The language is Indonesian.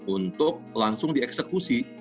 untuk langsung dieksekusi